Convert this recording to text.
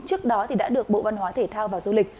trước đó đã được bộ văn hóa thể thao và du lịch